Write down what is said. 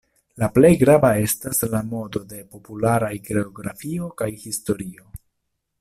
La plej grava estas la modo de popularaj geografio kaj historio.